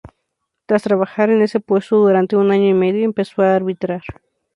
Tras trabajar en ese puesto durante un año y medio, empezó a arbitrar.